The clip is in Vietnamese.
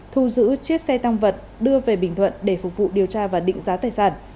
thu giữ chiếc xe tăng vật đưa về bình thuận để phục vụ điều tra và định giá tài sản